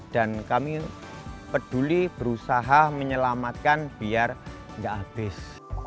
dan kami peduli berusaha menyelamatkan biar tidak habis